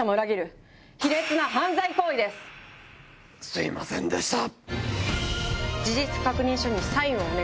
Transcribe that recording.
すいませんでした。